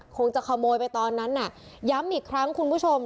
คงจะขโมยไปตอนนั้นน่ะย้ำอีกครั้งคุณผู้ชม